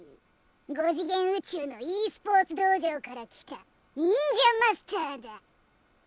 ５次元宇宙のｅスポーツ道場から来た忍者マスターだ！